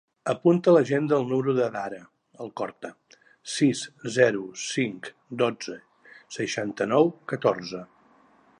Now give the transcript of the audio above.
Apunta a l'agenda el número de l'Adhara Alcorta: sis, zero, cinc, dotze, seixanta-nou, catorze.